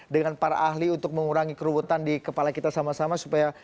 dengan para ahli untuk mengurangi kerubutan di kepala kita sama sama supaya